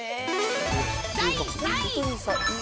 第３位。